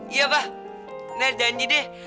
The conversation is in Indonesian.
iya pak ini janji deh